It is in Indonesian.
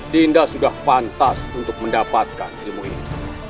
dinda sudah pantas untuk mendapatkan ilmu ini